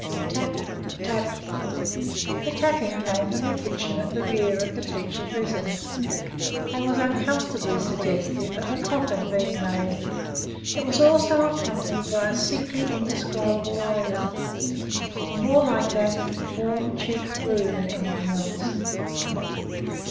'Tap tap.' The tapping came from the kitchen at the rear of the teacher's residence, and was uncomfortably suggestive of a coffin being made: it was also accompanied by a sickly, indescribable odour more like that of warm cheap glue than anything else.